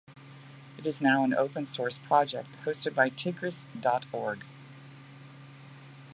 It is now an open source project hosted by Tigris dot org.